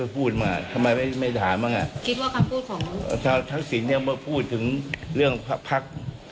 ปวดหญิงมันเกี่ยวข้องทุกพรรค